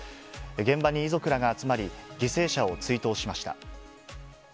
現場に遺族らが集まり、犠牲者を追悼しました。